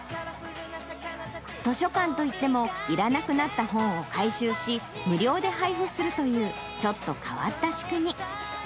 図書館といっても、いらなくなった本を回収し、無料で配布するというちょっと変わった仕組み。